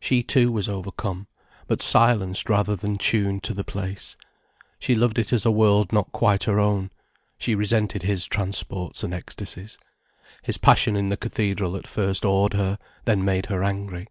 She too was overcome, but silenced rather than tuned to the place. She loved it as a world not quite her own, she resented his transports and ecstasies. His passion in the cathedral at first awed her, then made her angry.